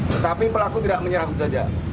tetapi pelaku tidak menyerabut saja